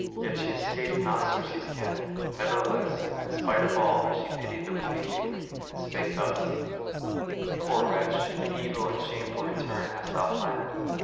Yet she escaped not Circe's ken; nevertheless, in spite of all, she pitied the weeping maiden, and spake thus: "Poor wretch, an evil and shameful return hast thou planned.